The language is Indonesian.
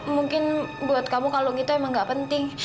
mungkin buat kamu kak lum itu emang gak penting